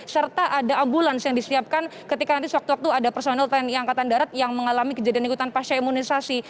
serta ada ambulans yang disiapkan ketika nanti suatu waktu ada personel tni angkatan darat yang mengalami kejadian ikutan pasca imunisasi